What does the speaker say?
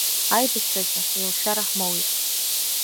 Аибашьраҿы еилшәара ҳмоуит.